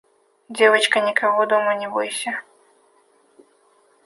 «Девочка, никого дома не бойся.